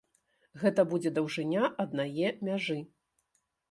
Гэта будзе даўжыня аднае мяжы.